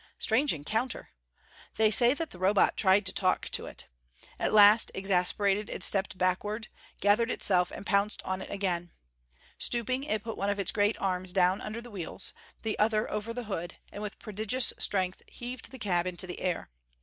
Strange encounter! They say that the Robot tried to talk to it. At last, exasperated, it stepped backward, gathered itself and pounced on it again. Stooping, it put one of its great arms down under the wheels, the other over the hood, and with prodigious strength heaved the cab into the air.